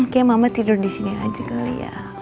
kayaknya mama tidur di sini aja kali ya